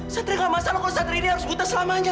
satria nggak masalah kalau satria ini harus buta selamanya